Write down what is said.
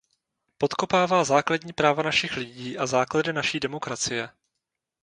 Podkopává základní práva našich lidí a základy naší demokracie.